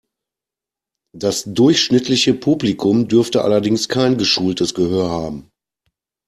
Das durchschnittliche Publikum dürfte allerdings kein geschultes Gehör haben.